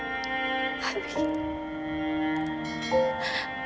adny optimal bukan biasa sih